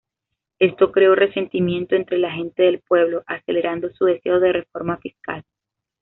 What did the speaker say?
Esto creó resentimiento entre la gente del pueblo, acelerando su deseo de reforma fiscal.